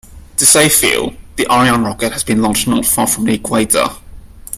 To save fuel, the Ariane rocket has been launched not far from the equator.